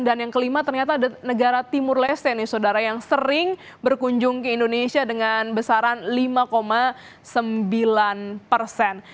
dan yang kelima ternyata ada negara timur leste nih saudara yang sering berkunjung ke indonesia dengan besaran lima sembilan persen